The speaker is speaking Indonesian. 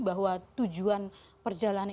bahwa tujuan perjalanan